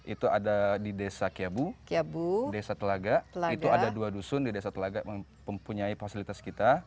itu ada di desa kiabu desa telaga itu ada dua dusun di desa telaga mempunyai fasilitas kita